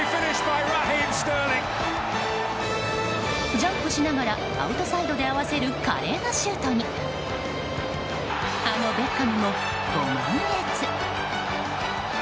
ジャンプしながらアウトサイドで合わせる華麗なシュートにあのベッカムも、ご満悦。